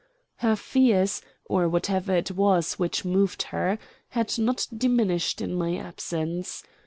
Her fears, or whatever it was which moved her, had not diminished in my absence.